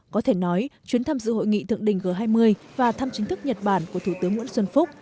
có thể nói chuyến tham dự hội nghị thượng đỉnh g hai mươi và thăm chính thức nhật bản của thủ tướng nguyễn xuân phúc